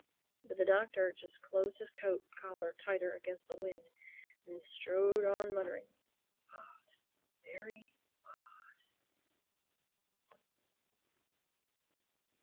But the Doctor just closed his coat collar tighter against the wind and strode on muttering, "Odd—very odd!"